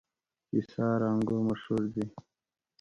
قیصار انګور مشهور دي؟